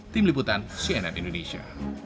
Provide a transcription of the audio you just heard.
tim liputan cnn indonesia